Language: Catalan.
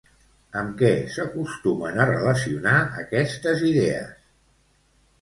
Amb què s'acostumen a relacionar aquestes idees?